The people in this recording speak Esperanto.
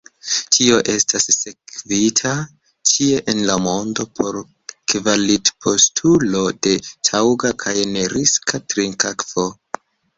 Tio estas sekvita ĉie en la mondo por kvalitpostuloj de taŭga kaj neriska trinkakvo.